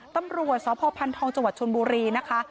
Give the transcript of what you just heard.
ตำรวจสพพันธ์ทองจชนบุรีนะคะ